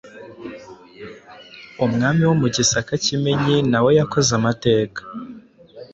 umwami wo mu Gisaka Kimenyi nawe yakoze amateka ,